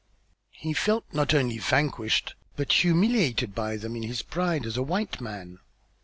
He felt not only vanquished but humiliated by them in his pride as a white man.